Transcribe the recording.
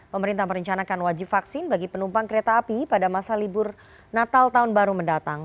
pemerintah merencanakan wajib vaksin bagi penumpang kereta api pada masa libur natal tahun baru mendatang